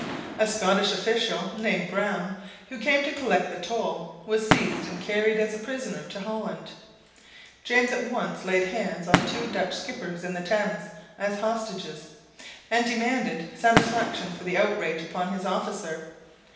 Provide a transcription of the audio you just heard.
A Scottish official named Browne, who came to collect the toll, was seized and carried as a prisoner to Holland. James at once laid hands on two Dutch skippers in the Thames, as hostages, and demanded satisfaction for the outrage upon his officer.